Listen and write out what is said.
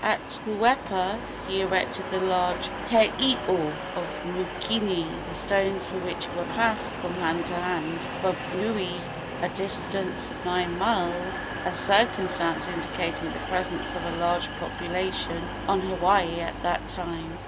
At Puuepa he erected the large heiau of Mookini, the stones for which were passed from hand to hand from Niulii, a distance of nine miles a circumstance indicating the presence of a large population on Hawaii at that time.